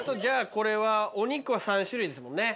これはお肉は３種類ですもんね。